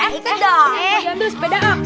eh aku ambil sepeda aku